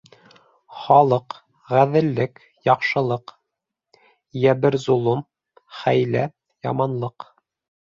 Хаҡлыҡ, ғәҙеллек, яҡшылыҡ; йәбер-золом, хәйлә, яманлыҡ